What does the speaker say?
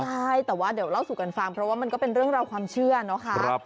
ใช่แต่ว่าเดี๋ยวเล่าสู่กันฟังเพราะว่ามันก็เป็นเรื่องราวความเชื่อนะคะ